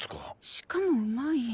しかもうまい。